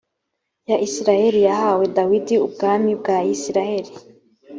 ya isirayeli yahaye dawidi ubwami bwa isirayeli